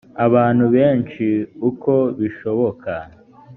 abantu benshi uko bishoboka